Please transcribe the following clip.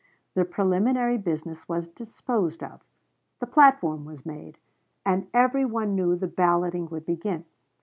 The preliminary business was disposed of, the platform was made, and every one knew the balloting would begin.